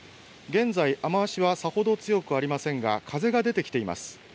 現在、雨足は、さほど強くありませんが風が出てきています。